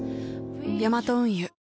ヤマト運輸